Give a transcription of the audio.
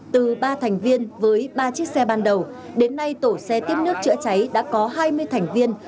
từ ba thành viên với ba chiếc xe ban đầu đến nay tổ xe tiếp nước chữa cháy đã có hai mươi thành viên